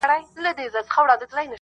که اپوټه یې کړې تاید کومه